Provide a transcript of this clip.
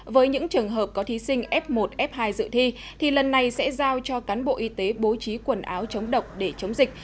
với những trường hợp có thí sinh f một f hai dự thi thì lần này sẽ giao cho cán bộ y tế bố trí quần áo chống độc để chống dịch